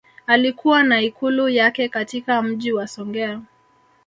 Alikuwa na Ikulu yake katika Mji wa Songea